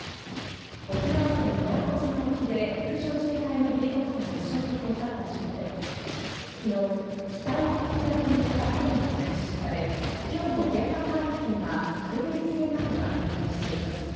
沖縄県宮古島沖で陸上自衛隊のヘリコプターが消息を絶った事故で昨日、機体の引き上げに向けた作業が開始され、今日も現場海域にはサルベージ船などが展開しています。